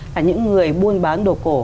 là những người buôn bán đồ cổ